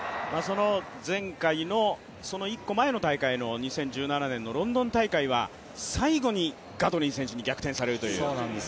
前回の１個前の大会の２０１７年のロンドン大会は最後にガトリン選手に逆転されるという。